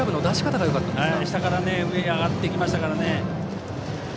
ええ、下から上へ上がってきましたからね。